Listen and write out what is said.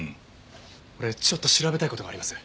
俺ちょっと調べたい事があります。